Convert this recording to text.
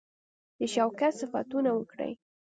د شوکت صفتونه وکړي.